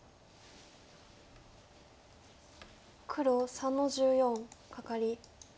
黒３の十四カカリ。